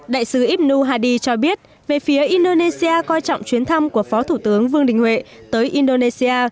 đại sứ ibnu hadi cho biết về phía indonesia coi trọng chuyến thăm của phó thủ tướng vương đình huệ tới indonesia